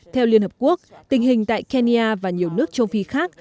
theo liên hợp quốc tình hình tại kenya và nhiều nước châu phi khác